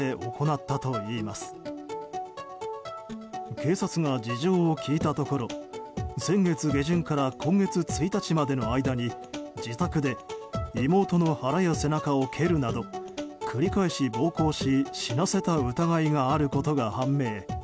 警察が事情を聴いたところ先月下旬から今月１日までの間に自宅で、妹の腹や背中を蹴るなど繰り返し暴行し死なせた疑いがあることが判明。